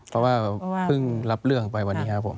เพราะว่าเพิ่งรับเรื่องไปวันนี้ครับผม